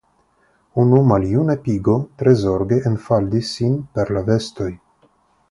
Unu maljuna pigo tre zorge enfaldis sin per la vestoj.